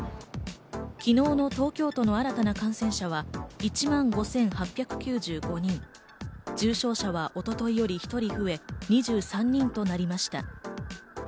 昨日の東京都の新たな感染者は１万５８９５人、重症者は一昨日より１人増え、２３人となりました。